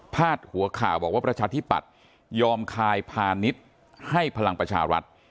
ดหัวข่าวบอกว่าประชาธิปัตยอมคายพาณิชย์ให้พลังประชารัฐ